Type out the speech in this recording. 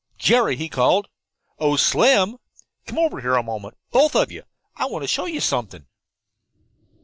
"Jerry!" he called. "Oh, Slim! Come over here a moment, both of you. I want to show you something."